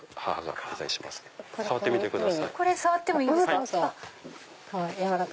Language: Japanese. これ触ってもいいんですか？